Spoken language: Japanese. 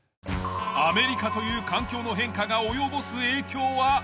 アメリカという環境の変化が及ぼす影響はあるのか？